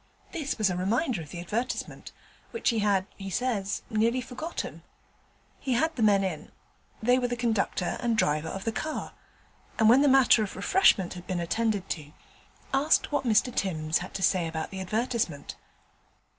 This was a reminder of the advertisement, which he had, he says, nearly forgotten. He had the men in they were the conductor and driver of the car and when the matter of refreshment had been attended to, asked what Mr Timms had had to say about the advertisement.